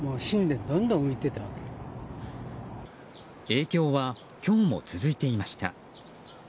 影響は今日も続いていました。